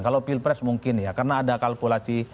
kalau pilpres mungkin ya karena ada kalkulasi